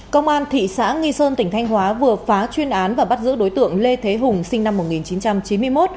công an thị xã nghi sơn tỉnh thanh hóa vừa phá chuyên án và bắt giữ đối tượng lê thế hùng sinh năm một nghìn chín trăm chín mươi một